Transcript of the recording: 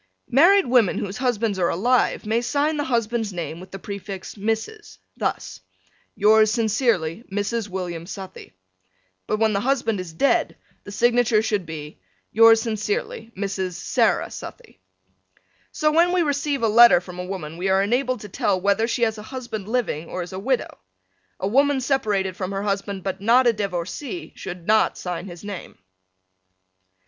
Married women whose husbands are alive may sign the husband's name with the prefix Mrs: thus, Yours sincerely, Mrs. William Southey. but when the husband is dead the signature should be Yours sincerely, Mrs. Sarah Southey. So when we receive a letter from a woman we are enabled to tell whether she has a husband living or is a widow. A woman separated from her husband but not a divorcee should not sign his name.